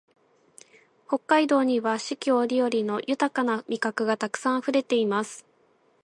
北海道には四季折々の豊な味覚がたくさんあふれています